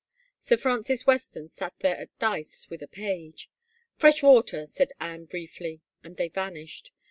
Sir Francis Weston sat there at dice with a page. " Fresh water," said Anne briefly and they vanished.